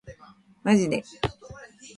マジで